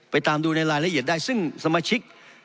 ตามดูในรายละเอียดได้ซึ่งสมาชิก